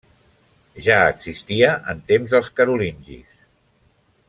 Ja existia en temps dels carolingis.